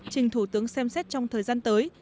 trình thủ tướng xem xét trong thời gian tới